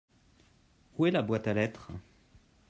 Où est la boîte à lettres ?